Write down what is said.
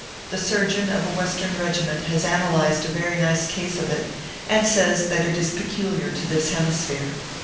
The surgeon of a Western regiment has analyzed a very nice case of it, and says that it is peculiar to this hemisphere.